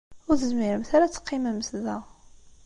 Ur tezmiremt ara ad teqqimemt da.